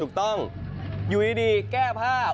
ถูกต้องอยู่ดีแก้ภาพ